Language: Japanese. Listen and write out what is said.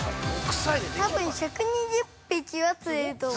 ◆多分１２０匹は釣れると思う。